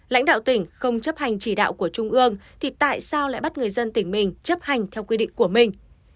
lãnh đạo tỉnh không chấp hành chỉ đạo của trung ương thì tại sao lại bắt người dân tỉnh mình chấp hành theo quy định của mình